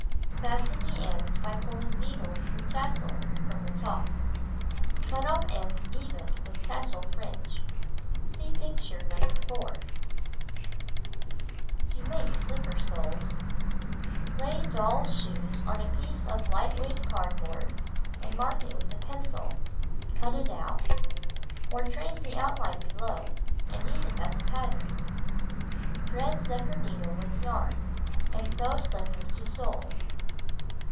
Fasten the ends by pulling needle through tassel from the top. Cut off ends even with tassel fringe. (See picture No. 4.) Toi make tas^el^ 112 Knitting and Crocheting Book Jain Btby! To Make Slipper Soles Lay doll's shoe on a piece of light weight cardboard and mark it with a pencil ; cut it out. Or trace the outline below, and use it as a pattern. Thread zephyr needle with yarn, and sew slipper to sole.